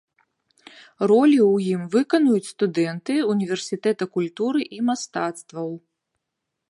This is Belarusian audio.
Ролі ў ім выканаюць студэнты ўніверсітэта культуры і мастацтваў.